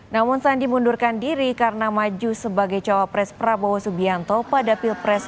namun sandi mundurkan diri karena maju sebagai cawapres prabowo subianto pada pilpres dua ribu sembilan belas